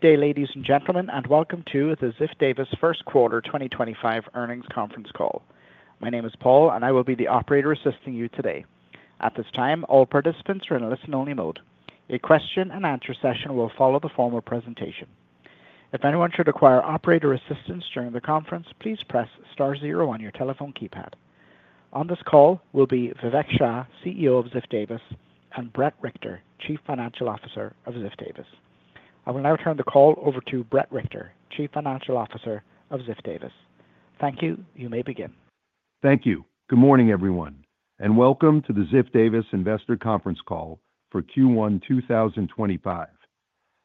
Good day, ladies and gentlemen, and welcome to the Ziff Davis First Quarter 2025 Earnings Conference Call. My name is Paul, and I will be the operator assisting you today. At this time, all participants are in listen-only mode. A question-and-answer session will follow the formal presentation. If anyone should require operator assistance during the conference, please press star zero on your telephone keypad. On this call will be Vivek Shah, CEO of Ziff Davis, and Bret Richter, Chief Financial Officer of Ziff Davis. I will now turn the call over to Bret Richter, Chief Financial Officer of Ziff Davis. Thank you. You may begin. Thank you. Goodmorning, everyone, and welcome to the Ziff Davis Investor Conference Call for Q1 2025.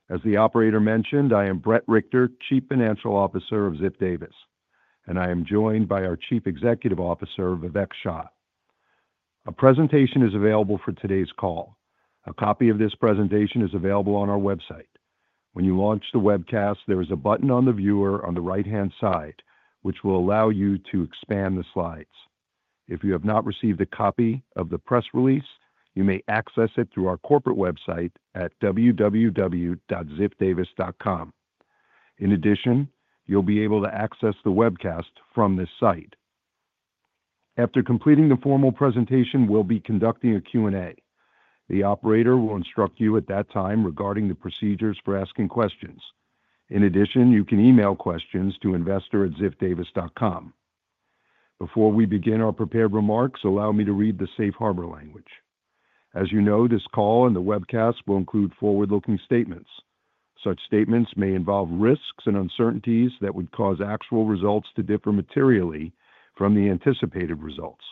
As the operator mentioned, I am Bret Richter, Chief Financial Officer of Ziff Davis, and I am joined by our Chief Executive Officer, Vivek Shah. A presentation is available for today's call. A copy of this presentation is available on our website. When you launch the webcast, there is a button on the viewer on the right-hand side, which will allow you to expand the slides. If you have not received a copy of the press release, you may access it through our corporate website at www.ziffdavis.com. In addition, you'll be able to access the webcast from this site. After completing the formal presentation, we'll be conducting a Q&A. The operator will instruct you at that time regarding the procedures for asking questions. In addition, you can email questions to investor@ziffdavis.com. Before we begin our prepared remarks, allow me to read the safe harbor language. As you know, this call and the webcast will include forward-looking statements. Such statements may involve risks and uncertainties that would cause actual results to differ materially from the anticipated results.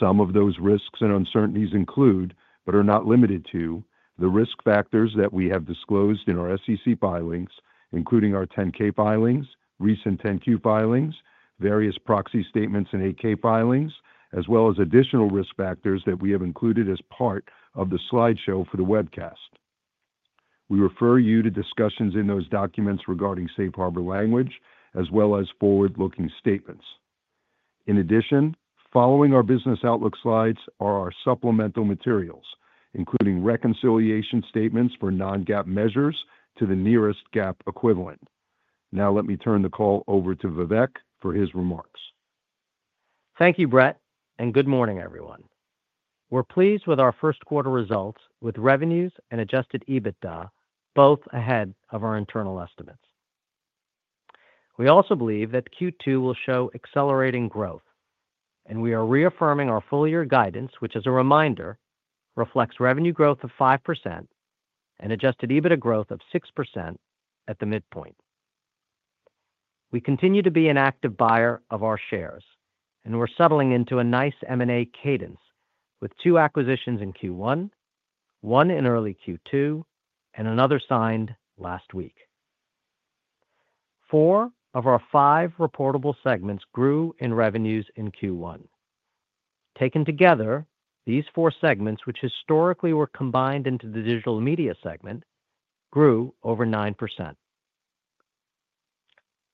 Some of those risks and uncertainties include, but are not limited to, the risk factors that we have disclosed in our SEC filings, including our 10-K filings, recent 10-Q filings, various proxy statements and 8-K filings, as well as additional risk factors that we have included as part of the slideshow for the webcast. We refer you to discussions in those documents regarding safe harbor language, as well as forward-looking statements. In addition, following our business outlook slides are our supplemental materials, including reconciliation statements for non-GAAP measures to the nearest GAAP equivalent. Now, let me turn the call over to Vivek for his remarks. Thank you, Brett, and good morning, everyone. We are pleased with our first quarter results, with revenues and adjusted EBITDA both ahead of our internal estimates. We also believe that Q2 will show accelerating growth, and we are reaffirming our full-year guidance, which, as a reminder, reflects revenue growth of 5% and adjusted EBITDA growth of 6% at the midpoint. We continue to be an active buyer of our shares, and we are settling into a nice M&A cadence with two acquisitions in Q1, one in early Q2, and another signed last week. Four of our five reportable segments grew in revenues in Q1. Taken together, these four segments, which historically were combined into the digital media segment, grew over 9%.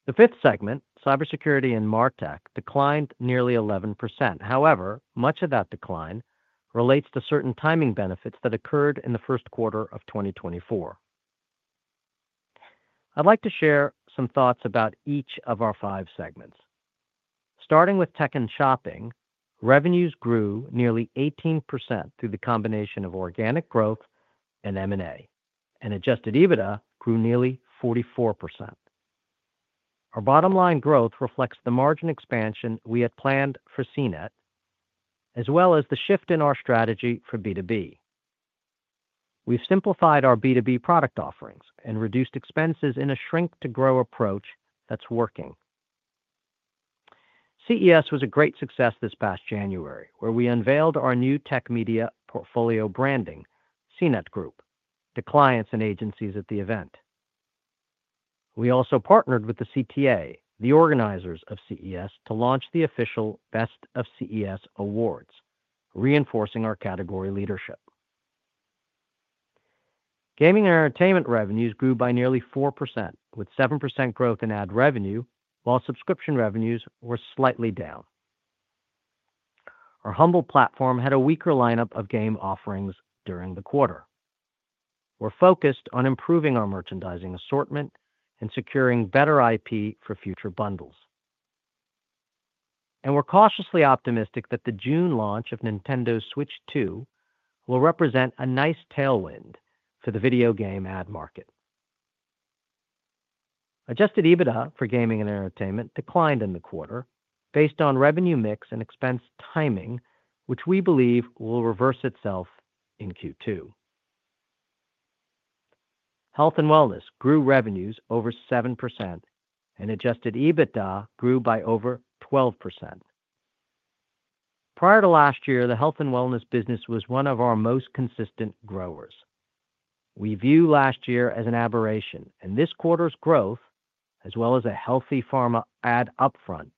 The fifth segment, cybersecurity and martech, declined nearly 11%. However, much of that decline relates to certain timing benefits that occurred in the first quarter of 2024. I'd like to share some thoughts about each of our five segments. Starting with tech and shopping, revenues grew nearly 18% through the combination of organic growth and M&A, and adjusted EBITDA grew nearly 44%. Our bottom-line growth reflects the margin expansion we had planned for CNET, as well as the shift in our strategy for B2B. We've simplified our B2B product offerings and reduced expenses in a shrink-to-grow approach that's working. CES was a great success this past January, where we unveiled our new tech media portfolio branding, CNET Group, to clients and agencies at the event. We also partnered with the CTA, the organizers of CES, to launch the official Best of CES Awards, reinforcing our category leadership. Gaming and entertainment revenues grew by nearly 4%, with 7% growth in ad revenue, while subscription revenues were slightly down. Our Humble Bundle platform had a weaker lineup of game offerings during the quarter. We’re focused on improving our merchandising assortment and securing better IP for future bundles. We’re cautiously optimistic that the June launch of Nintendo Switch 2 will represent a nice tailwind for the video game ad market. Adjusted EBITDA for gaming and entertainment declined in the quarter, based on revenue mix and expense timing, which we believe will reverse itself in Q2. Health and wellness grew revenues over 7%, and adjusted EBITDA grew by over 12%. Prior to last year, the health and wellness business was one of our most consistent growers. We view last year as an aberration, and this quarter’s growth, as well as a healthy pharma ad upfront,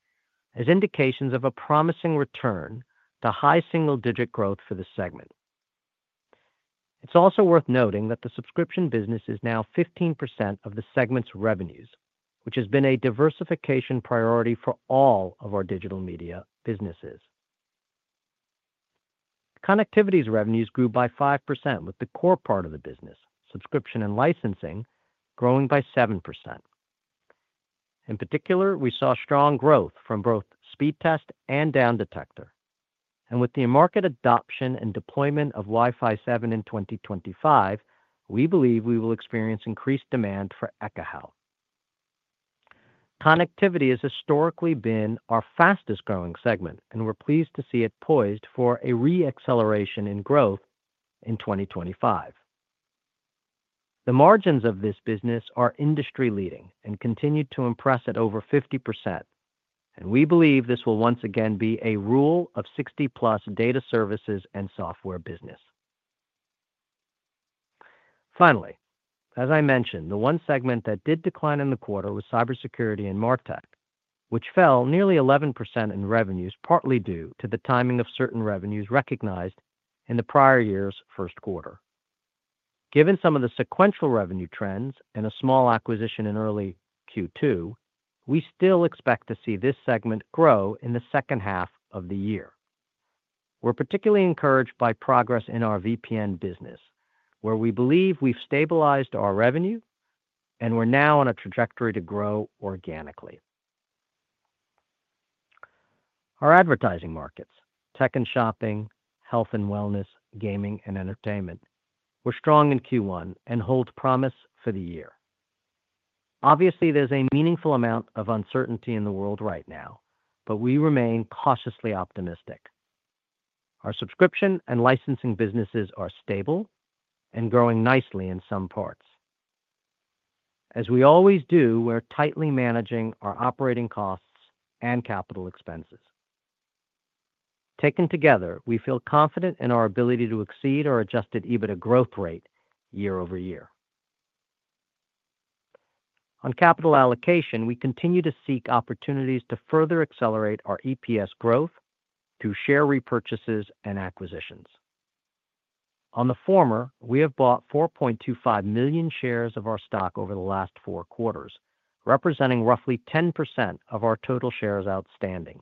has indications of a promising return to high single-digit growth for the segment. It's also worth noting that the subscription business is now 15% of the segment's revenues, which has been a diversification priority for all of our digital media businesses. Connectivity's revenues grew by 5%, with the core part of the business, subscription and licensing, growing by 7%. In particular, we saw strong growth from both Speedtest and Downdetector. With the market adoption and deployment of Wi-Fi 7 in 2025, we believe we will experience increased demand for Ekahau. Connectivity has historically been our fastest-growing segment, and we're pleased to see it poised for a re-acceleration in growth in 2025. The margins of this business are industry-leading and continue to impress at over 50%, and we believe this will once again be a rule-of-60-plus data services and software business. Finally, as I mentioned, the one segment that did decline in the quarter was cybersecurity and martech, which fell nearly 11% in revenues, partly due to the timing of certain revenues recognized in the prior year's first quarter. Given some of the sequential revenue trends and a small acquisition in early Q2, we still expect to see this segment grow in the second half of the year. We're particularly encouraged by progress in our VPN business, where we believe we've stabilized our revenue, and we're now on a trajectory to grow organically. Our advertising markets, tech and shopping, health and wellness, gaming and entertainment, were strong in Q1 and hold promise for the year. Obviously, there's a meaningful amount of uncertainty in the world right now, but we remain cautiously optimistic. Our subscription and licensing businesses are stable and growing nicely in some parts. As we always do, we're tightly managing our operating costs and capital expenses. Taken together, we feel confident in our ability to exceed our adjusted EBITDA growth rate year over year. On capital allocation, we continue to seek opportunities to further accelerate our EPS growth through share repurchases and acquisitions. On the former, we have bought 4.25 million shares of our stock over the last four quarters, representing roughly 10% of our total shares outstanding.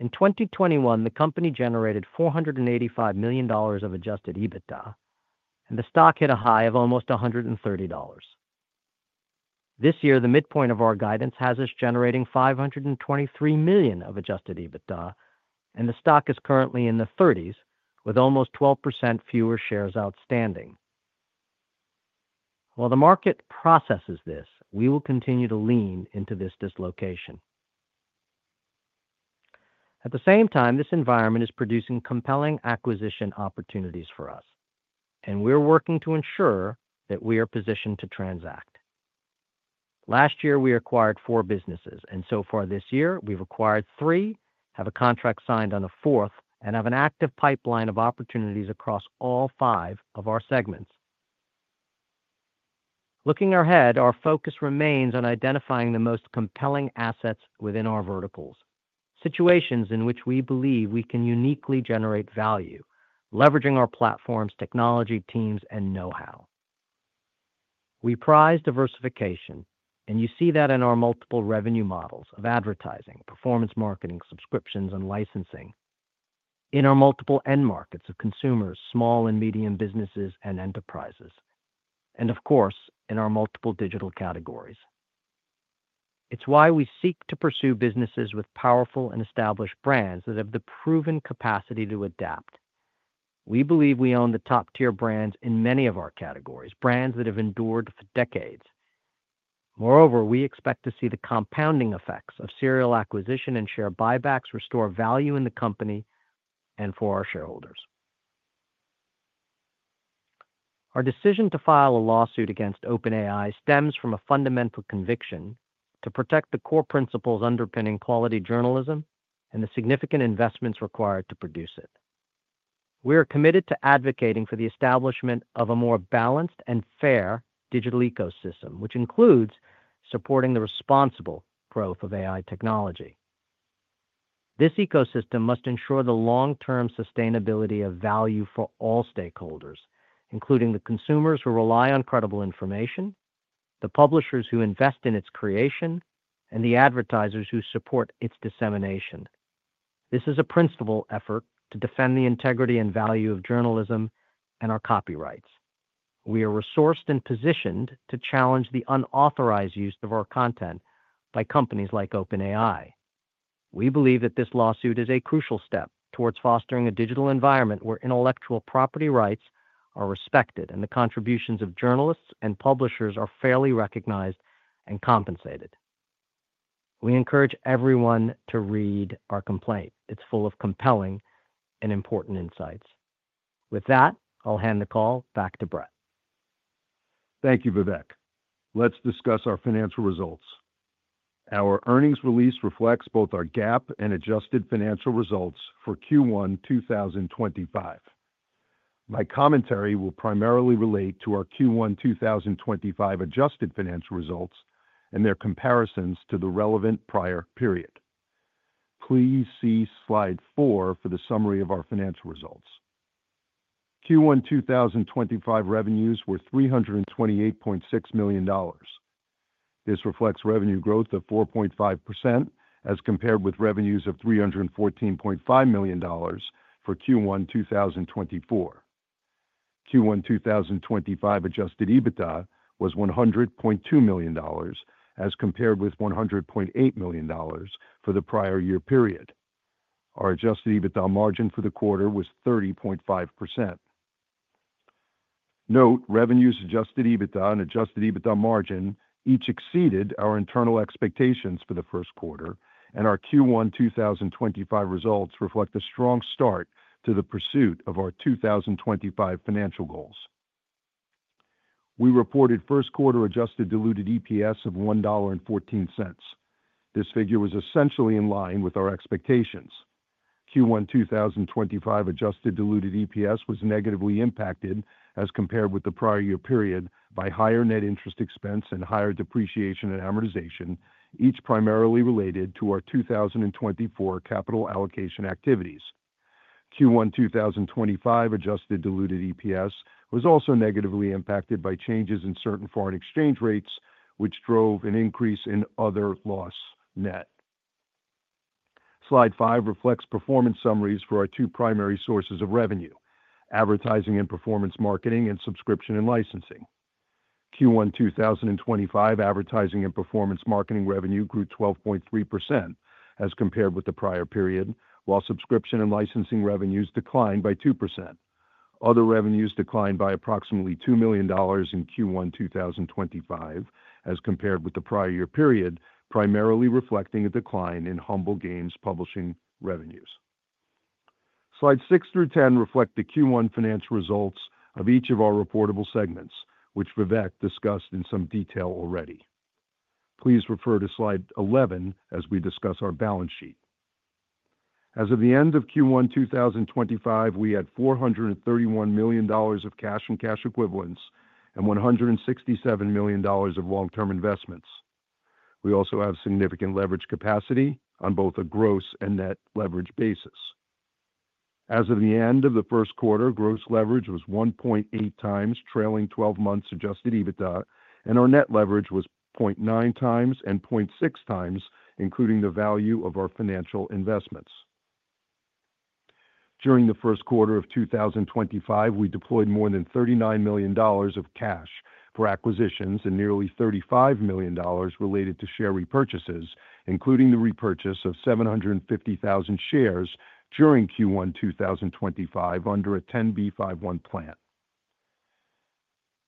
In 2021, the company generated $485 million of adjusted EBITDA, and the stock hit a high of almost $130. This year, the midpoint of our guidance has us generating $523 million of adjusted EBITDA, and the stock is currently in the 30s, with almost 12% fewer shares outstanding. While the market processes this, we will continue to lean into this dislocation. At the same time, this environment is producing compelling acquisition opportunities for us, and we're working to ensure that we are positioned to transact. Last year, we acquired four businesses, and so far this year, we've acquired three, have a contract signed on a fourth, and have an active pipeline of opportunities across all five of our segments. Looking ahead, our focus remains on identifying the most compelling assets within our verticals, situations in which we believe we can uniquely generate value, leveraging our platform's technology teams and know-how. We prize diversification, and you see that in our multiple revenue models of advertising, performance marketing, subscriptions, and licensing, in our multiple end markets of consumers, small and medium businesses, and enterprises, and of course, in our multiple digital categories. It's why we seek to pursue businesses with powerful and established brands that have the proven capacity to adapt. We believe we own the top-tier brands in many of our categories, brands that have endured for decades. Moreover, we expect to see the compounding effects of serial acquisition and share buybacks restore value in the company and for our shareholders. Our decision to file a lawsuit against OpenAI stems from a fundamental conviction to protect the core principles underpinning quality journalism and the significant investments required to produce it. We are committed to advocating for the establishment of a more balanced and fair digital ecosystem, which includes supporting the responsible growth of AI technology. This ecosystem must ensure the long-term sustainability of value for all stakeholders, including the consumers who rely on credible information, the publishers who invest in its creation, and the advertisers who support its dissemination. This is a principled effort to defend the integrity and value of journalism and our copyrights. We are resourced and positioned to challenge the unauthorized use of our content by companies like OpenAI. We believe that this lawsuit is a crucial step towards fostering a digital environment where intellectual property rights are respected and the contributions of journalists and publishers are fairly recognized and compensated. We encourage everyone to read our complaint. It's full of compelling and important insights. With that, I'll hand the call back to Brett. Thank you, Vivek. Let's discuss our financial results. Our earnings release reflects both our GAAP and adjusted financial results for Q1 2025. My commentary will primarily relate to our Q1 2025 adjusted financial results and their comparisons to the relevant prior period. Please see slide 4 for the summary of our financial results. Q1 2025 revenues were $328.6 million. This reflects revenue growth of 4.5% as compared with revenues of $314.5 million for Q1 2024. Q1 2025 adjusted EBITDA was $100.2 million as compared with $100.8 million for the prior year period. Our adjusted EBITDA margin for the quarter was 30.5%. Note, revenues, adjusted EBITDA, and adjusted EBITDA margin each exceeded our internal expectations for the first quarter, and our Q1 2025 results reflect a strong start to the pursuit of our 2025 financial goals. We reported first quarter adjusted diluted EPS of $1.14. This figure was essentially in line with our expectations. Q1 2025 adjusted diluted EPS was negatively impacted as compared with the prior year period by higher net interest expense and higher depreciation and amortization, each primarily related to our 2024 capital allocation activities. Q1 2025 adjusted diluted EPS was also negatively impacted by changes in certain foreign exchange rates, which drove an increase in other loss net. Slide 5 reflects performance summaries for our two primary sources of revenue: advertising and performance marketing and subscription and licensing. Q1 2025 advertising and performance marketing revenue grew 12.3% as compared with the prior period, while subscription and licensing revenues declined by 2%. Other revenues declined by approximately $2 million in Q1 2025 as compared with the prior year period, primarily reflecting a decline in Humble Bundle Game Publishing revenues. Slides 6 through 10 reflect the Q1 financial results of each of our reportable segments, which Vivek discussed in some detail already. Please refer to slide 11 as we discuss our balance sheet. As of the end of Q1 2025, we had $431 million of cash and cash equivalents and $167 million of long-term investments. We also have significant leverage capacity on both a gross and net leverage basis. As of the end of the first quarter, gross leverage was 1.8 times trailing 12 months adjusted EBITDA, and our net leverage was 0.9 times and 0.6 times, including the value of our financial investments. During the first quarter of 2025, we deployed more than $39 million of cash for acquisitions and nearly $35 million related to share repurchases, including the repurchase of 750,000 shares during Q1 2025 under a 10B51 plan.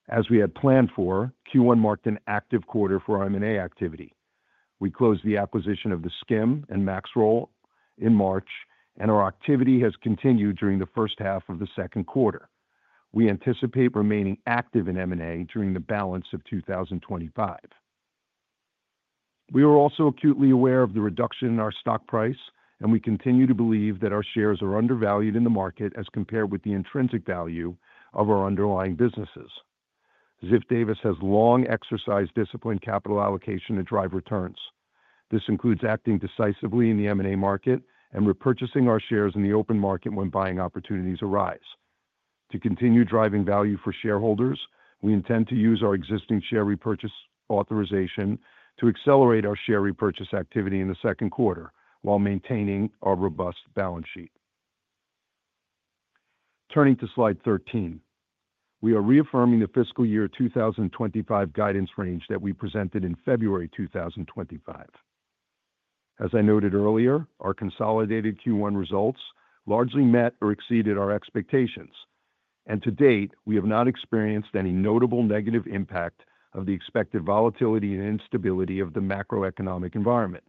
As we had planned for, Q1 marked an active quarter for M&A activity. We closed the acquisition of Skim and Maxwell in March, and our activity has continued during the first half of the second quarter. We anticipate remaining active in M&A during the balance of 2025. We were also acutely aware of the reduction in our stock price, and we continue to believe that our shares are undervalued in the market as compared with the intrinsic value of our underlying businesses. Ziff Davis has long exercised disciplined capital allocation to drive returns. This includes acting decisively in the M&A market and repurchasing our shares in the open market when buying opportunities arise. To continue driving value for shareholders, we intend to use our existing share repurchase authorization to accelerate our share repurchase activity in the second quarter while maintaining our robust balance sheet. Turning to slide 13, we are reaffirming the fiscal year 2025 guidance range that we presented in February 2025. As I noted earlier, our consolidated Q1 results largely met or exceeded our expectations, and to date, we have not experienced any notable negative impact of the expected volatility and instability of the macroeconomic environment.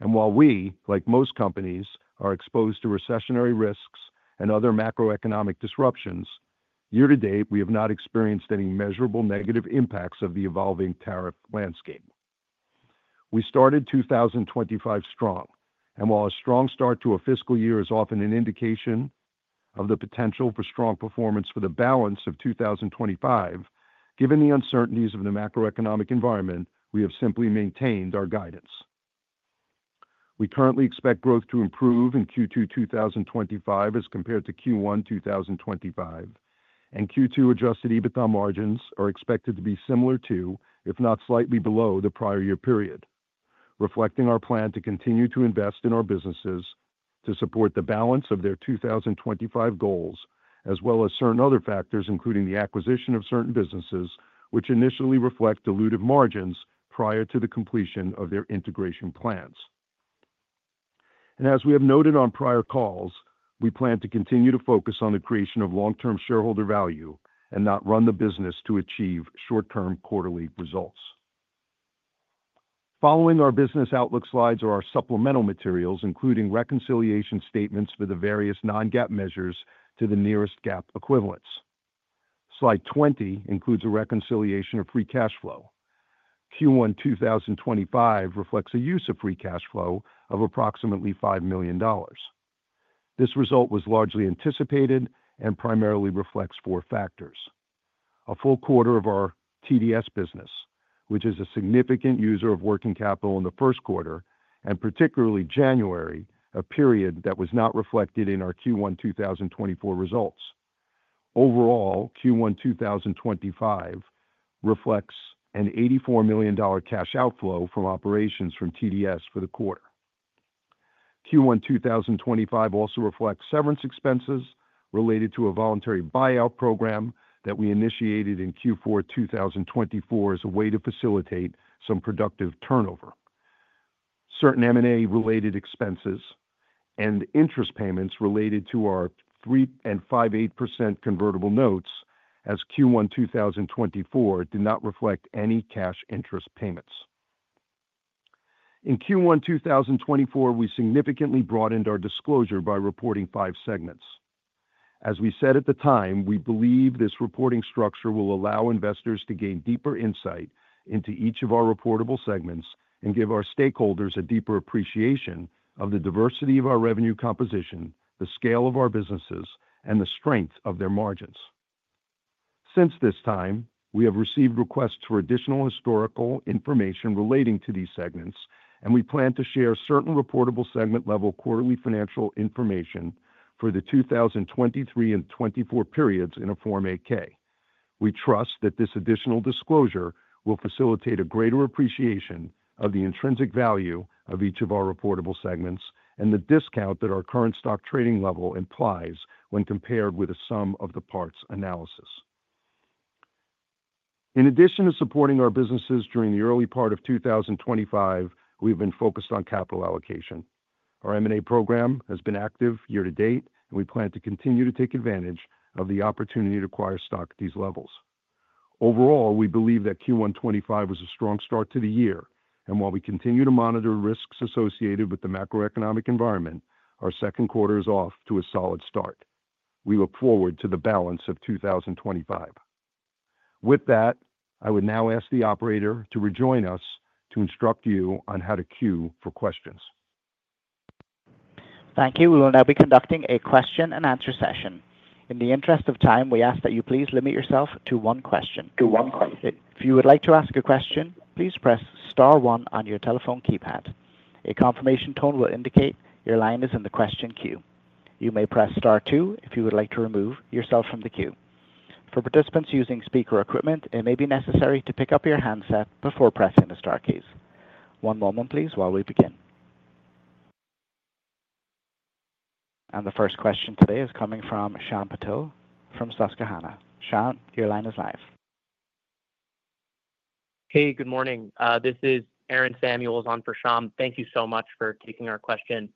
While we, like most companies, are exposed to recessionary risks and other macroeconomic disruptions, year to date, we have not experienced any measurable negative impacts of the evolving tariff landscape. We started 2025 strong, and while a strong start to a fiscal year is often an indication of the potential for strong performance for the balance of 2025, given the uncertainties of the macroeconomic environment, we have simply maintained our guidance. We currently expect growth to improve in Q2 2025 as compared to Q1 2025, and Q2 adjusted EBITDA margins are expected to be similar to, if not slightly below, the prior year period, reflecting our plan to continue to invest in our businesses to support the balance of their 2025 goals, as well as certain other factors, including the acquisition of certain businesses, which initially reflect dilutive margins prior to the completion of their integration plans. As we have noted on prior calls, we plan to continue to focus on the creation of long-term shareholder value and not run the business to achieve short-term quarterly results. Following our business outlook slides are our supplemental materials, including reconciliation statements for the various non-GAAP measures to the nearest GAAP equivalents. Slide 20 includes a reconciliation of free cash flow. Q1 2025 reflects a use of free cash flow of approximately $5 million. This result was largely anticipated and primarily reflects four factors: a full quarter of our TDS business, which is a significant user of working capital in the first quarter, and particularly January, a period that was not reflected in our Q1 2024 results. Overall, Q1 2025 reflects an $84 million cash outflow from operations from TDS for the quarter. Q1 2025 also reflects severance expenses related to a voluntary buyout program that we initiated in Q4 2024 as a way to facilitate some productive turnover. Certain M&A-related expenses and interest payments related to our 3.58% convertible notes as Q1 2024 did not reflect any cash interest payments. In Q1 2024, we significantly broadened our disclosure by reporting five segments. As we said at the time, we believe this reporting structure will allow investors to gain deeper insight into each of our reportable segments and give our stakeholders a deeper appreciation of the diversity of our revenue composition, the scale of our businesses, and the strength of their margins. Since this time, we have received requests for additional historical information relating to these segments, and we plan to share certain reportable segment-level quarterly financial information for the 2023 and 2024 periods in a Form 8-K. We trust that this additional disclosure will facilitate a greater appreciation of the intrinsic value of each of our reportable segments and the discount that our current stock trading level implies when compared with a sum of the parts analysis. In addition to supporting our businesses during the early part of 2025, we have been focused on capital allocation. Our M&A program has been active year to date, and we plan to continue to take advantage of the opportunity to acquire stock at these levels. Overall, we believe that Q1 2025 was a strong start to the year, and while we continue to monitor risks associated with the macroeconomic environment, our second quarter is off to a solid start. We look forward to the balance of 2025. With that, I would now ask the operator to rejoin us to instruct you on how to queue for questions. Thank you. We will now be conducting a question-and-answer session. In the interest of time, we ask that you please limit yourself to one question. To one question. If you would like to ask a question, please press Star 1 on your telephone keypad. A confirmation tone will indicate your line is in the question queue. You may press Star 2 if you would like to remove yourself from the queue. For participants using speaker equipment, it may be necessary to pick up your handset before pressing the star keys. One moment, please, while we begin. The first question today is coming from Sean Patil from Susquehanna. Sean, your line is live. Hey, good morning. This is Aaron Samuels on for Sean. Thank you so much for taking our question.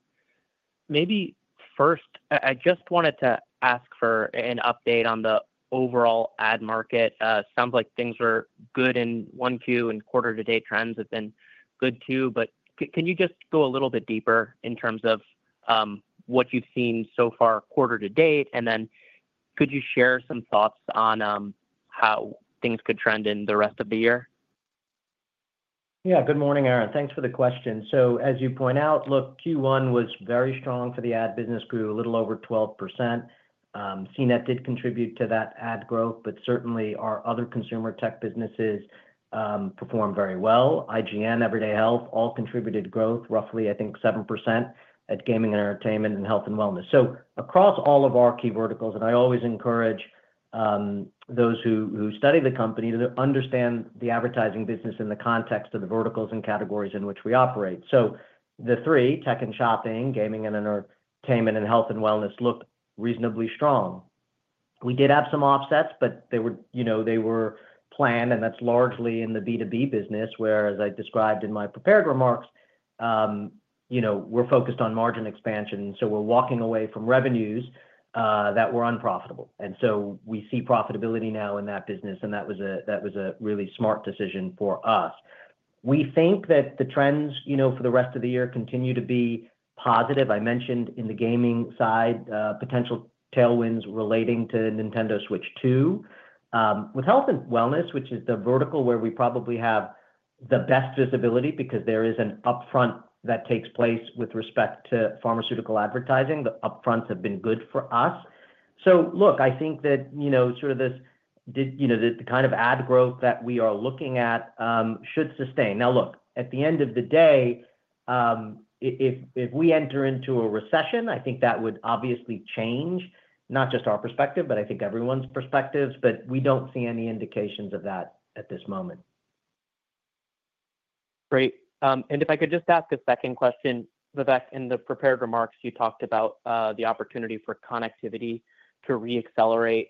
Maybe first, I just wanted to ask for an update on the overall ad market. It sounds like things are good in Q1, and quarter-to-date trends have been good too. Can you just go a little bit deeper in terms of what you've seen so far quarter-to-date? Could you share some thoughts on how things could trend in the rest of the year? Yeah, good morning, Aaron. Thanks for the question. As you point out, look, Q1 was very strong for the ad business, grew a little over 12%. CNET did contribute to that ad growth, but certainly our other consumer tech businesses performed very well. IGN, Everyday Health, all contributed growth, roughly, I think, 7% at gaming and entertainment and health and wellness. Across all of our key verticals, and I always encourage those who study the company to understand the advertising business in the context of the verticals and categories in which we operate. The three, tech and shopping, gaming and entertainment, and health and wellness, look reasonably strong. We did have some offsets, but they were planned, and that's largely in the B2B business, where, as I described in my prepared remarks, we're focused on margin expansion. We're walking away from revenues that were unprofitable. We see profitability now in that business, and that was a really smart decision for us. We think that the trends for the rest of the year continue to be positive. I mentioned in the gaming side, potential tailwinds relating to Nintendo Switch 2. With health and wellness, which is the vertical where we probably have the best visibility because there is an upfront that takes place with respect to pharmaceutical advertising, the upfronts have been good for us. I think that sort of this kind of ad growth that we are looking at should sustain. At the end of the day, if we enter into a recession, I think that would obviously change, not just our perspective, but I think everyone's perspectives, but we do not see any indications of that at this moment. Great. If I could just ask a second question, Vivek, in the prepared remarks, you talked about the opportunity for connectivity to re-accelerate.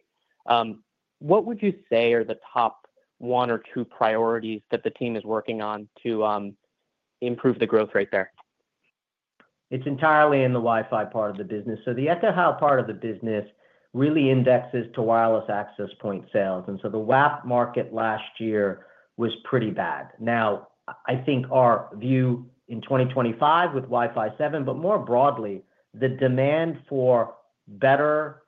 What would you say are the top one or two priorities that the team is working on to improve the growth rate there? It's entirely in the Wi-Fi part of the business. So the Ekahau part of the business really indexes to wireless access point sales. And so the WAP market last year was pretty bad. Now, I think our view in 2025 with Wi-Fi 7, but more broadly, the demand for better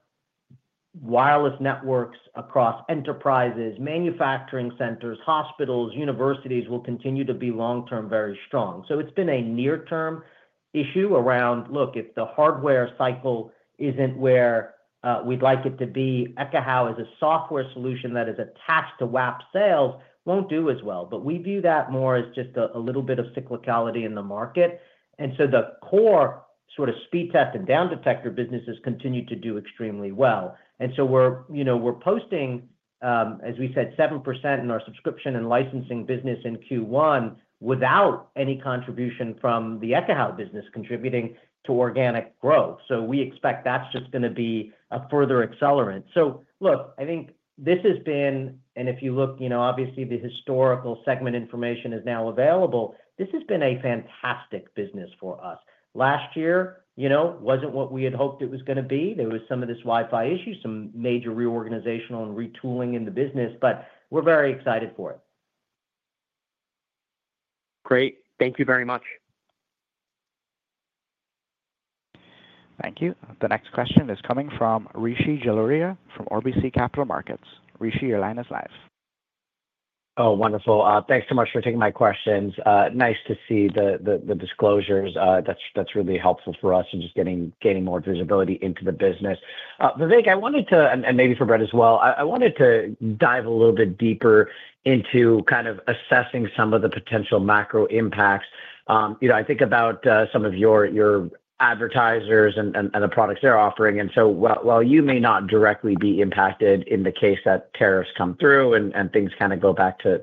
wireless networks across enterprises, manufacturing centers, hospitals, universities will continue to be long-term very strong. So it's been a near-term issue around, look, if the hardware cycle isn't where we'd like it to be, Ekahau as a software solution that is attached to WAP sales won't do as well. But we view that more as just a little bit of cyclicality in the market. And so the core sort of Speedtest and Downdetector businesses continue to do extremely well. We're posting, as we said, 7% in our subscription and licensing business in Q1 without any contribution from the Ekahau business contributing to organic growth. We expect that's just going to be a further accelerant. I think this has been, and if you look, obviously, the historical segment information is now available, this has been a fantastic business for us. Last year wasn't what we had hoped it was going to be. There was some of this Wi-Fi issue, some major reorganizational and retooling in the business, but we're very excited for it. Great. Thank you very much. Thank you. The next question is coming from Rishi Jaluria from RBC Capital Markets. Rishi, your line is live. Oh, wonderful. Thanks so much for taking my questions. Nice to see the disclosures. That's really helpful for us in just getting more visibility into the business. Vivek, I wanted to, and maybe for Bret as well, I wanted to dive a little bit deeper into kind of assessing some of the potential macro impacts. I think about some of your advertisers and the products they're offering. While you may not directly be impacted in the case that tariffs come through and things kind of go back to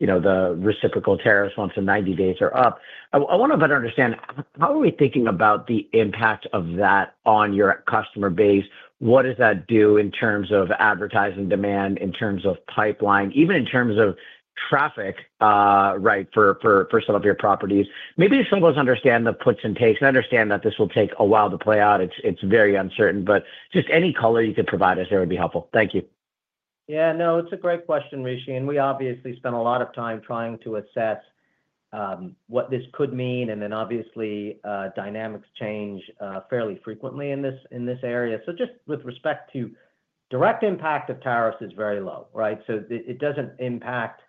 the reciprocal tariffs once the 90 days are up, I want to better understand how are we thinking about the impact of that on your customer base? What does that do in terms of advertising demand, in terms of pipeline, even in terms of traffic, right, for some of your properties? Maybe if some of us understand the puts and takes, understand that this will take a while to play out, it's very uncertain, but just any color you could provide us, that would be helpful. Thank you. Yeah, no, it's a great question, Rishi. And we obviously spent a lot of time trying to assess what this could mean, and then obviously, dynamics change fairly frequently in this area. Just with respect to direct impact of tariffs is very low, right? It doesn't impact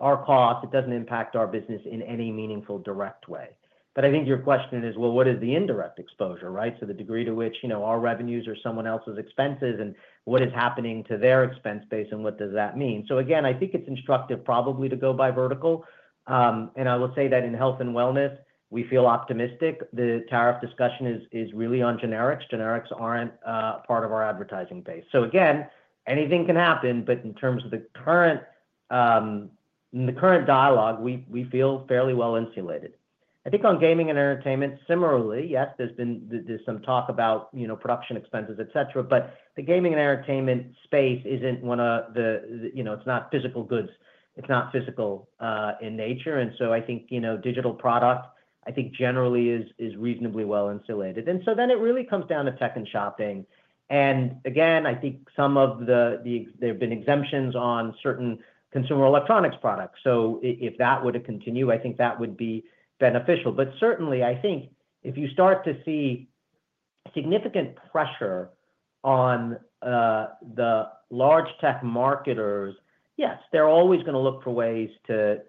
our costs. It doesn't impact our business in any meaningful direct way. I think your question is, well, what is the indirect exposure, right? The degree to which our revenues are someone else's expenses and what is happening to their expense base and what does that mean? Again, I think it's instructive probably to go by vertical. I will say that in health and wellness, we feel optimistic. The tariff discussion is really on generics. Generics aren't part of our advertising base. Again, anything can happen, but in terms of the current dialogue, we feel fairly well insulated. I think on gaming and entertainment, similarly, yes, there's been some talk about production expenses, et cetera, but the gaming and entertainment space isn't one of the, it's not physical goods. It's not physical in nature. I think digital product, I think generally is reasonably well insulated. It really comes down to tech and shopping. Again, I think some of the, there have been exemptions on certain consumer electronics products. If that were to continue, I think that would be beneficial. Certainly, I think if you start to see significant pressure on the large tech marketers, yes, they're always going to look for ways to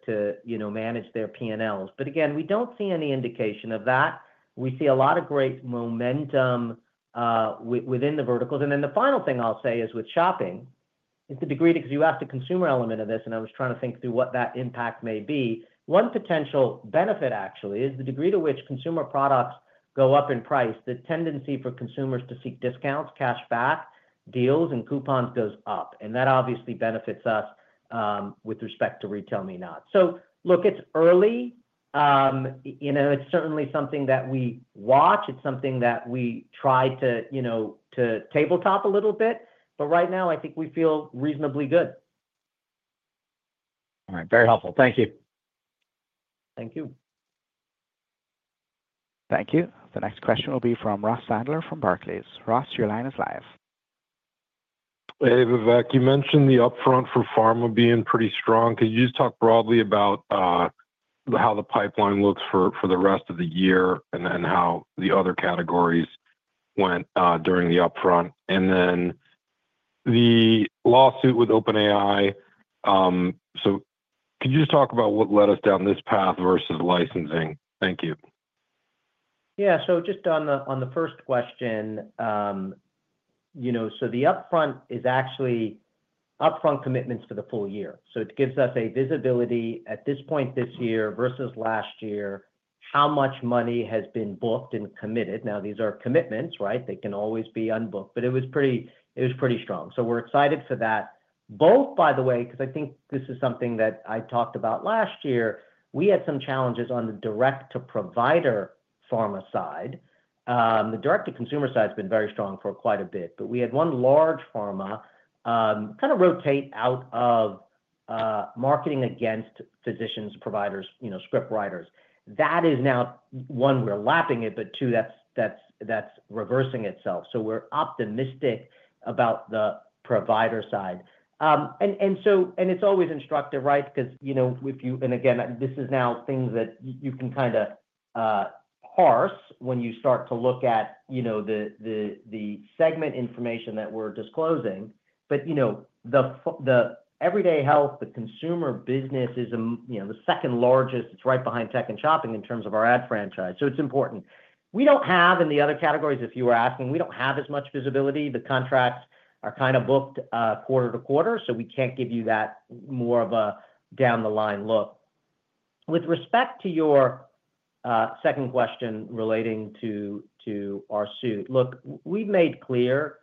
manage their P&Ls. Again, we don't see any indication of that. We see a lot of great momentum within the verticals. The final thing I'll say is with shopping is the degree to, because you asked the consumer element of this, and I was trying to think through what that impact may be. One potential benefit actually is the degree to which consumer products go up in price, the tendency for consumers to seek discounts, cashback, deals, and coupons goes up. That obviously benefits us with respect to RetailMeNot. Look, it's early. It's certainly something that we watch. It's something that we try to tabletop a little bit. Right now, I think we feel reasonably good. All right. Very helpful. Thank you. Thank you. Thank you. The next question will be from Ross Sandler from Barclays. Ross, your line is live. Hey, Vivek, you mentioned the upfront for pharma being pretty strong. Could you just talk broadly about how the pipeline looks for the rest of the year and then how the other categories went during the upfront? The lawsuit with OpenAI, could you just talk about what led us down this path versus licensing? Thank you. Yeah. Just on the first question, the upfront is actually upfront commitments for the full year. It gives us visibility at this point this year versus last year how much money has been booked and committed. Now, these are commitments, right? They can always be unbooked, but it was pretty strong. We're excited for that. Both, by the way, because I think this is something that I talked about last year, we had some challenges on the direct-to-provider pharma side. The direct-to-consumer side has been very strong for quite a bit. We had one large pharma kind of rotate out of marketing against physicians, providers, script writers. That is now, one, we're lapping it, but two, that's reversing itself. We're optimistic about the provider side. It's always instructive, right? Because if you, and again, this is now things that you can kind of parse when you start to look at the segment information that we are disclosing. The Everyday Health, the consumer business is the second largest. It is right behind tech and shopping in terms of our ad franchise. It is important. We do not have, in the other categories, if you were asking, we do not have as much visibility. The contracts are kind of booked quarter to quarter, so we cannot give you that more of a down-the-line look. With respect to your second question relating to our suit, look, we have made clear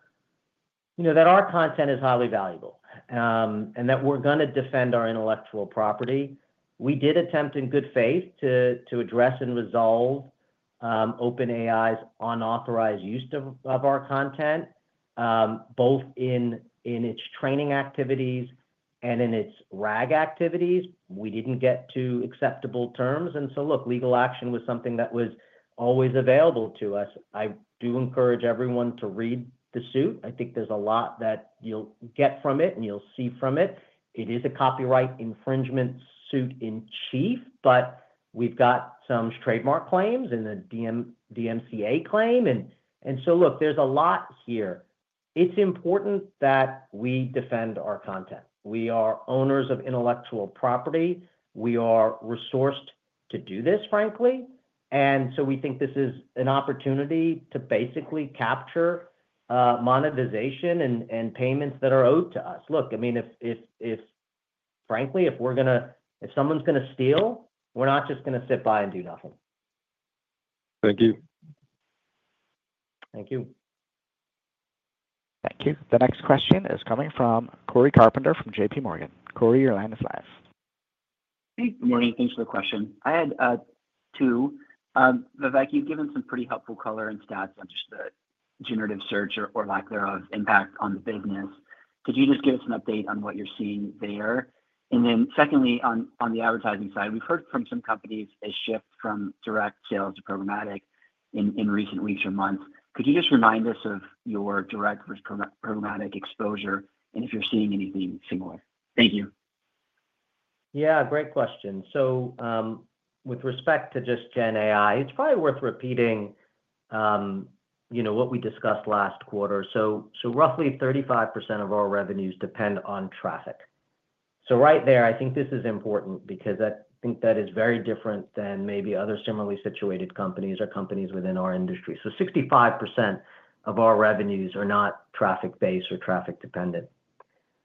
that our content is highly valuable and that we are going to defend our intellectual property. We did attempt in good faith to address and resolve OpenAI's unauthorized use of our content, both in its training activities and in its RAG activities. We did not get to acceptable terms. Legal action was something that was always available to us. I do encourage everyone to read the suit. I think there is a lot that you will get from it and you will see from it. It is a copyright infringement suit in chief, but we have some trademark claims and a DMCA claim. There is a lot here. It is important that we defend our content. We are owners of intellectual property. We are resourced to do this, frankly. We think this is an opportunity to basically capture monetization and payments that are owed to us. I mean, frankly, if someone is going to steal, we are not just going to sit by and do nothing. Thank you. Thank you. Thank you. The next question is coming from Corey Carpenter from JPMorgan. Corey, your line is live. Hey, good morning. Thanks for the question. I had two. Vivek, you've given some pretty helpful color and stats. Understood. Generative search or lack thereof impact on the business. Could you just give us an update on what you're seeing there? Secondly, on the advertising side, we've heard from some companies a shift from direct sales to programmatic in recent weeks or months. Could you just remind us of your direct versus programmatic exposure and if you're seeing anything similar? Thank you. Yeah, great question. With respect to just GenAI, it's probably worth repeating what we discussed last quarter. Roughly 35% of our revenues depend on traffic. Right there, I think this is important because I think that is very different than maybe other similarly situated companies or companies within our industry. Sixty-five percent of our revenues are not traffic-based or traffic-dependent.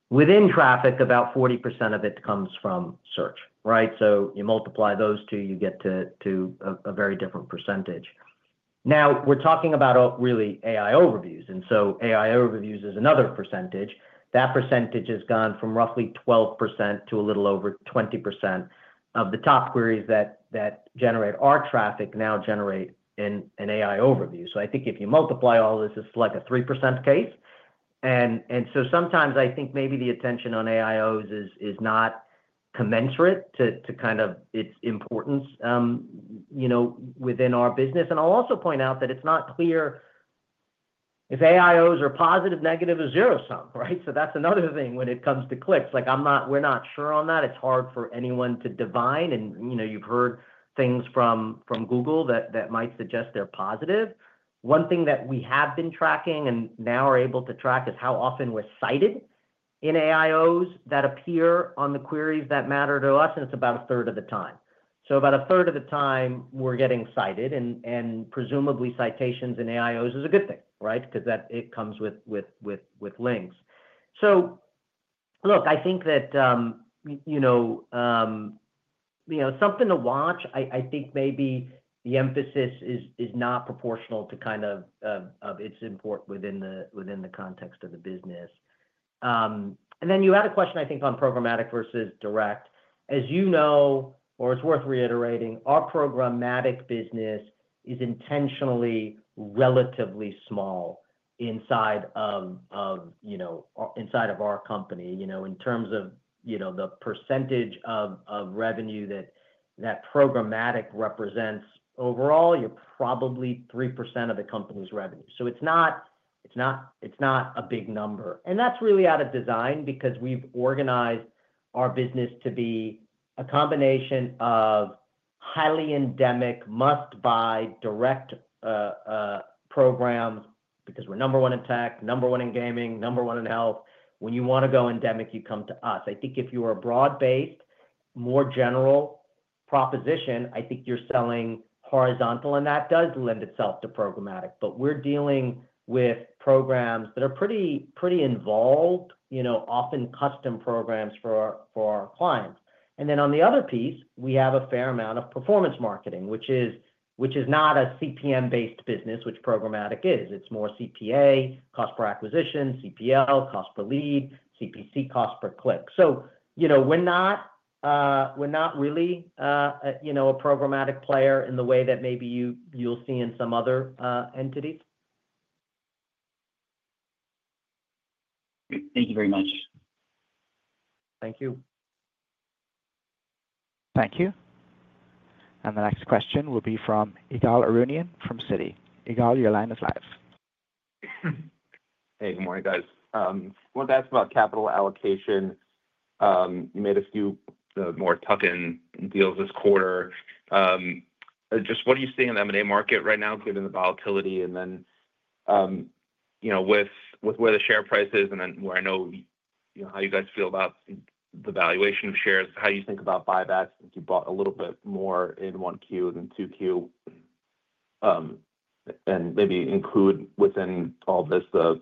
Within traffic, about 40% of it comes from search, right? You multiply those two, you get to a very different percentage. Now, we're talking about really AI overviews. AI overviews is another percentage. That percentage has gone from roughly 12% to a little over 20% of the top queries that generate our traffic now generate an AI overview. I think if you multiply all this, it's like a 3% case. Sometimes I think maybe the attention on AIOs is not commensurate to kind of its importance within our business. I'll also point out that it's not clear if AIOs are positive, negative, or zero-sum, right? That's another thing when it comes to clicks. We're not sure on that. It's hard for anyone to divine. You've heard things from Google that might suggest they're positive. One thing that we have been tracking and now are able to track is how often we're cited in AIOs that appear on the queries that matter to us. It's about a third of the time. About a third of the time, we're getting cited. Presumably, citations in AIOs is a good thing, right? Because it comes with links. Look, I think that is something to watch. I think maybe the emphasis is not proportional to kind of its import within the context of the business. You had a question, I think, on programmatic versus direct. As you know, or it is worth reiterating, our programmatic business is intentionally relatively small inside of our company. In terms of the percentage of revenue that programmatic represents overall, you are probably 3% of the company's revenue. It is not a big number. That is really out of design because we have organized our business to be a combination of highly endemic, must-buy direct programs because we are number one in tech, number one in gaming, number one in health. When you want to go endemic, you come to us. I think if you are broad-based, more general proposition, I think you are selling horizontal, and that does lend itself to programmatic. We are dealing with programs that are pretty involved, often custom programs for our clients. On the other piece, we have a fair amount of performance marketing, which is not a CPM-based business, which programmatic is. It is more CPA, cost per acquisition, CPL, cost per lead, CPC, cost per click. We are not really a programmatic player in the way that maybe you will see in some other entities. Thank you very much. Thank you. Thank you. The next question will be from Ygal Arounian from Citi. Ygal, your line is live. Hey, good morning, guys. I wanted to ask about capital allocation. You made a few more tuck-in deals this quarter. Just what are you seeing in the M&A market right now, given the volatility? With where the share price is, and then where I know how you guys feel about the valuation of shares, how do you think about buybacks if you bought a little bit more in Q1 than Q2? Maybe include within all this the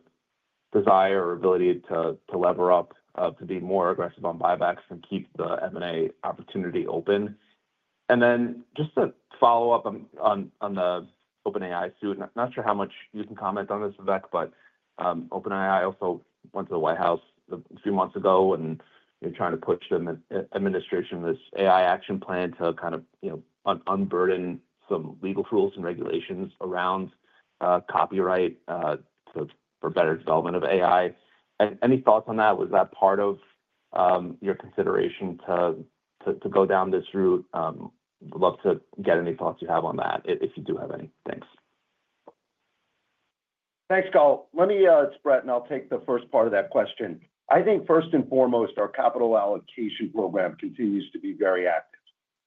desire or ability to lever up to be more aggressive on buybacks and keep the M&A opportunity open. Just to follow up on the OpenAI suit, not sure how much you can comment on this, Vivek, but OpenAI also went to the White House a few months ago and they are trying to push the administration of this AI action plan to kind of unburden some legal tools and regulations around copyright for better development of AI. Any thoughts on that? Was that part of your consideration to go down this route? Would love to get any thoughts you have on that if you do have any. Thanks. Thanks, Gaul. Let me spread and I'll take the first part of that question. I think first and foremost, our capital allocation program continues to be very active.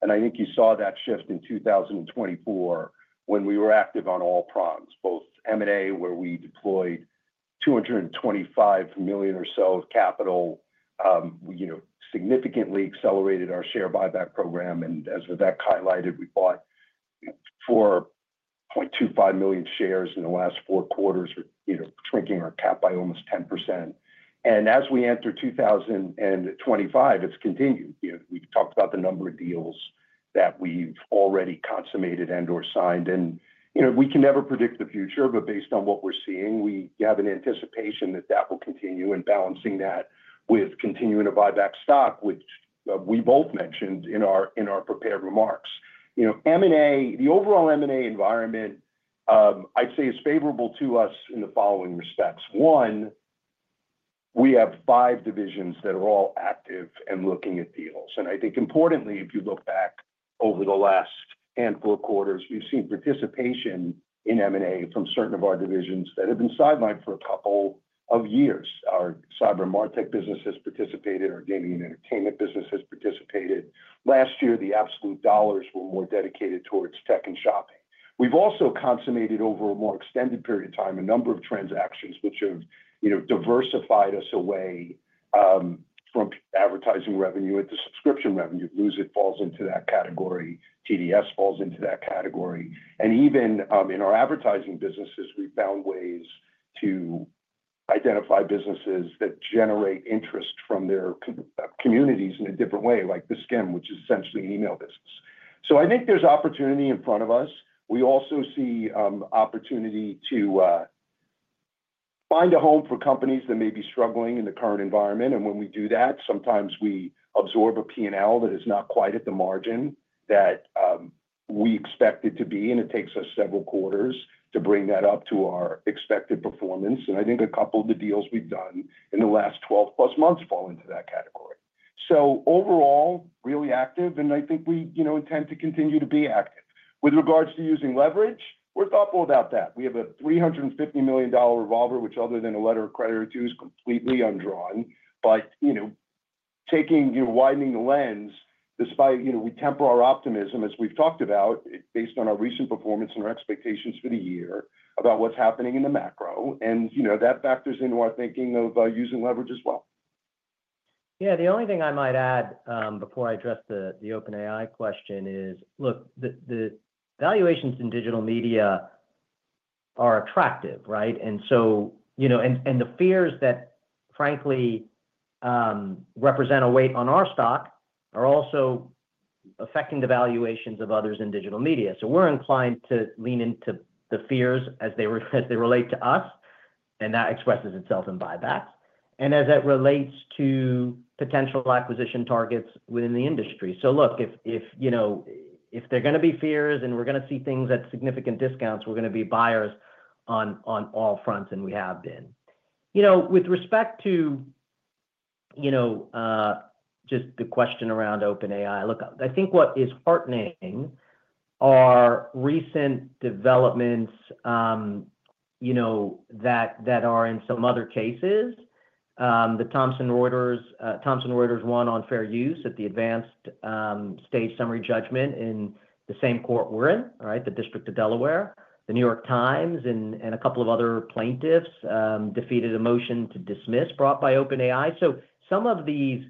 I think you saw that shift in 2024 when we were active on all prongs, both M&A, where we deployed $225 million or so of capital, significantly accelerated our share buyback program. As Vivek highlighted, we bought 4.25 million shares in the last four quarters, shrinking our cap by almost 10%. As we enter 2025, it's continued. We've talked about the number of deals that we've already consummated and/or signed. We can never predict the future, but based on what we're seeing, we have an anticipation that that will continue and balancing that with continuing to buy back stock, which we both mentioned in our prepared remarks. The overall M&A environment, I'd say, is favorable to us in the following respects. One, we have five divisions that are all active and looking at deals. I think importantly, if you look back over the last handful of quarters, we've seen participation in M&A from certain of our divisions that have been sidelined for a couple of years. Our cyber and martech business has participated. Our gaming and entertainment business has participated. Last year, the absolute dollars were more dedicated towards tech and shopping. We've also consummated over a more extended period of time a number of transactions which have diversified us away from advertising revenue into subscription revenue. Lose It falls into that category. TDS falls into that category. Even in our advertising businesses, we've found ways to identify businesses that generate interest from their communities in a different way, like SKIM, which is essentially an email business. I think there's opportunity in front of us. We also see opportunity to find a home for companies that may be struggling in the current environment. When we do that, sometimes we absorb a P&L that is not quite at the margin that we expected it to be, and it takes us several quarters to bring that up to our expected performance. I think a couple of the deals we've done in the last 12-plus months fall into that category. Overall, really active, and I think we intend to continue to be active. With regards to using leverage, we're thoughtful about that. We have a $350 million revolver, which other than a letter of credit or two is completely undrawn. Taking widening the lens, despite we temper our optimism, as we've talked about, based on our recent performance and our expectations for the year about what's happening in the macro. That factors into our thinking of using leverage as well. Yeah, the only thing I might add before I address the OpenAI question is, look, the valuations in digital media are attractive, right? The fears that, frankly, represent a weight on our stock are also affecting the valuations of others in digital media. We are inclined to lean into the fears as they relate to us, and that expresses itself in buybacks and as it relates to potential acquisition targets within the industry. If there are going to be fears and we are going to see things at significant discounts, we are going to be buyers on all fronts, and we have been. With respect to just the question around OpenAI, I think what is heartening are recent developments that are in some other cases. The Thomson Reuters one on fair use at the advanced stage summary judgment in the same court we are in, right? The District of Delaware, the New York Times, and a couple of other plaintiffs defeated a motion to dismiss brought by OpenAI. Some of these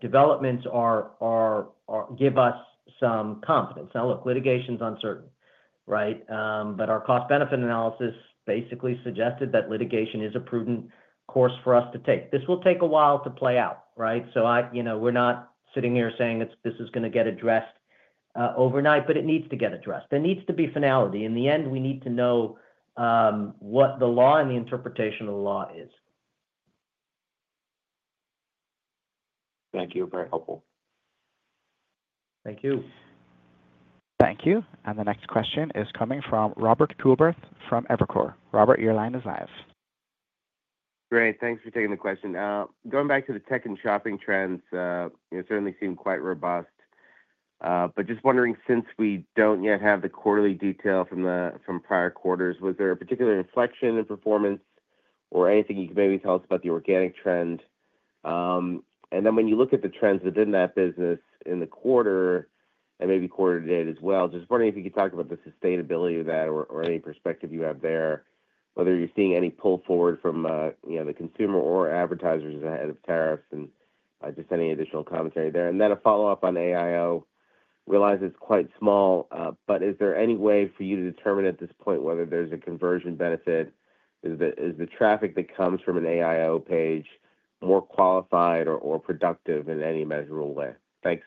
developments give us some confidence. Now, look, litigation's uncertain, right? Our cost-benefit analysis basically suggested that litigation is a prudent course for us to take. This will take a while to play out, right? We're not sitting here saying this is going to get addressed overnight, but it needs to get addressed. There needs to be finality. In the end, we need to know what the law and the interpretation of the law is. Thank you. Very helpful. Thank you. Thank you. The next question is coming from Robert Coolbrith from Evercore. Robert, your line is live. Great. Thanks for taking the question. Going back to the tech and shopping trends, certainly seem quite robust. Just wondering, since we do not yet have the quarterly detail from prior quarters, was there a particular inflection in performance or anything you could maybe tell us about the organic trend? When you look at the trends within that business in the quarter and maybe quarter to date as well, just wondering if you could talk about the sustainability of that or any perspective you have there, whether you are seeing any pull forward from the consumer or advertisers ahead of tariffs and just any additional commentary there. A follow-up on AIO. Realize it is quite small, but is there any way for you to determine at this point whether there is a conversion benefit? Is the traffic that comes from an AIO page more qualified or productive in any measurable way? Thanks.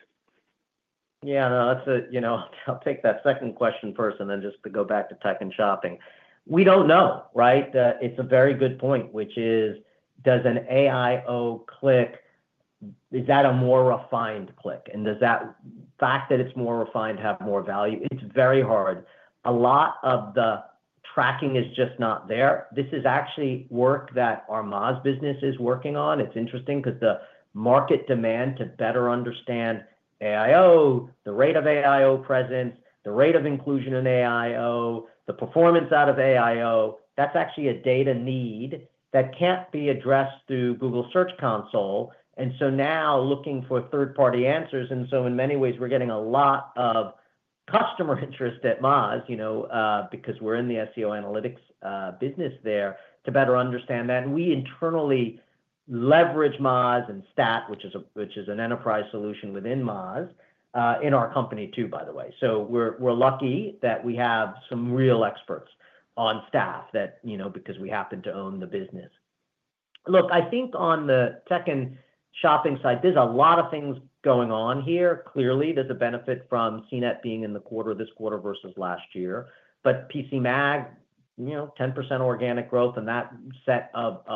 Yeah, no, I'll take that second question first and then just to go back to tech and shopping. We don't know, right? It's a very good point, which is, does an AIO click, is that a more refined click? And does that fact that it's more refined have more value? It's very hard. A lot of the tracking is just not there. This is actually work that our Moz business is working on. It's interesting because the market demand to better understand AIO, the rate of AIO presence, the rate of inclusion in AIO, the performance out of AIO, that's actually a data need that can't be addressed through Google Search Console. Now looking for third-party answers. In many ways, we're getting a lot of customer interest at Moz because we're in the SEO analytics business there to better understand that. We internally leverage Moz and Stat, which is an enterprise solution within Moz in our company too, by the way. We're lucky that we have some real experts on staff because we happen to own the business. Look, I think on the tech and shopping side, there's a lot of things going on here. Clearly, there's a benefit from CNET being in the quarter this quarter versus last year. PCMag, 10% organic growth and that set of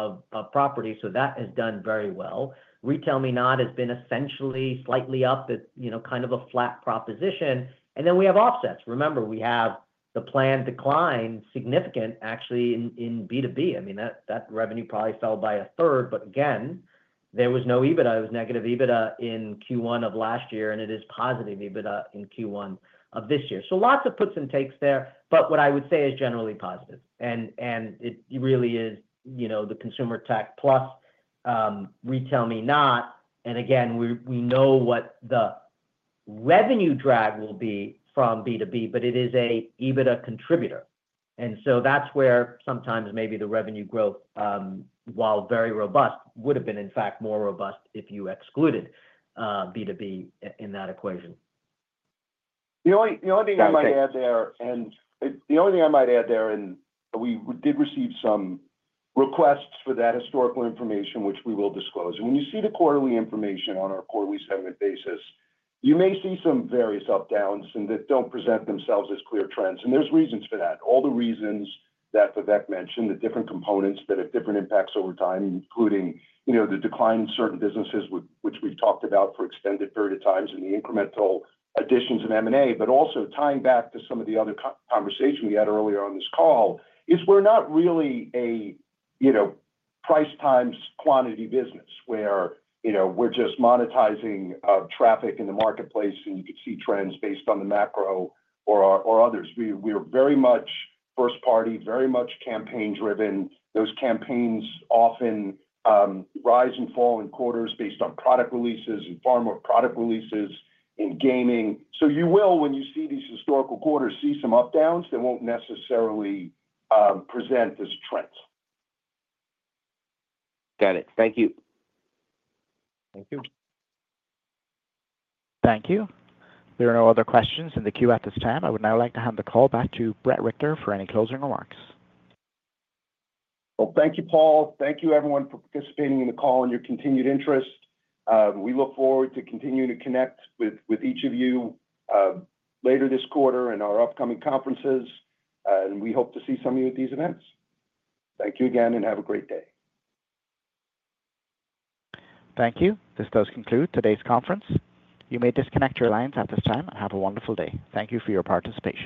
properties, so that has done very well. RetailMeNot has been essentially slightly up at kind of a flat proposition. We have offsets. Remember, we have the planned decline, significant actually, in B2B. I mean, that revenue probably fell by a third, but again, there was no EBITDA. It was negative EBITDA in Q1 of last year, and it is positive EBITDA in Q1 of this year. Lots of puts and takes there, but what I would say is generally positive. It really is the consumer tech plus RetailMeNot. Again, we know what the revenue drag will be from B2B, but it is an EBITDA contributor. That is where sometimes maybe the revenue growth, while very robust, would have been in fact more robust if you excluded B2B in that equation. The only thing I might add there, and we did receive some requests for that historical information, which we will disclose. When you see the quarterly information on our quarterly segment basis, you may see some various updowns that do not present themselves as clear trends. There are reasons for that. All the reasons that Vivek mentioned, the different components that have different impacts over time, including the decline in certain businesses, which we have talked about for an extended period of time, and the incremental additions in M&A, but also tying back to some of the other conversation we had earlier on this call, is we are not really a price-times-quantity business where we are just monetizing traffic in the marketplace and you could see trends based on the macro or others. We are very much first-party, very much campaign-driven. Those campaigns often rise and fall in quarters based on product releases and far more product releases in gaming. You will, when you see these historical quarters, see some updowns that will not necessarily present this trend. Got it. Thank you. Thank you. Thank you. There are no other questions in the queue at this time. I would now like to hand the call back to Bret Richter for any closing remarks. Thank you, Paul. Thank you, everyone, for participating in the call and your continued interest. We look forward to continuing to connect with each of you later this quarter in our upcoming conferences, and we hope to see some of you at these events. Thank you again and have a great day. Thank you. This does conclude today's conference. You may disconnect your lines at this time and have a wonderful day. Thank you for your participation.